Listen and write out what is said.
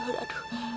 aduh aduh aduh aduh